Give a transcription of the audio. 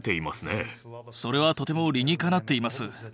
それはとても理にかなっています。